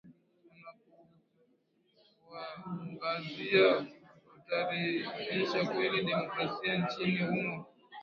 unapouangazia utarejesha kweli demokrasia nchini humo